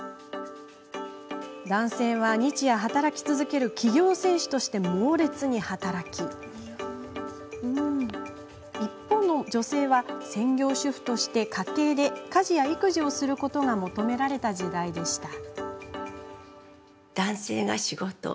男性は、日夜働き続ける企業戦士として猛烈に働き一方の女性は、専業主婦として家庭で家事や育児をすることが求められた時代でした。